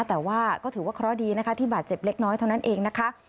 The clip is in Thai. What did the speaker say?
แต่ว่าก็ถือว่าเคราะห์ดีนะคะที่บาดเจ็บเล็กน้อยเท่านั้นเองนะคะ